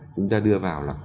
chúng ta đưa vào là